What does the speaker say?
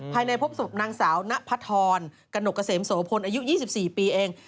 ภายในพบสมุทรนางสาวณพะทรกเซมโสพลอายุ๒๔ปีเอง